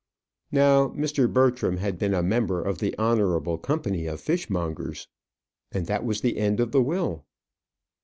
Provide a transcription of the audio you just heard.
Now Mr. Bertram had been a member of the Honourable Company of Fishmongers. And that was the end of the will.